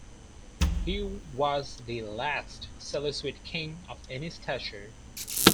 He was the last Seleucid king of any stature.